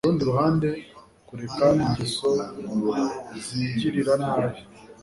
Ku rundi ruhande kureka ingeso zigirira nabi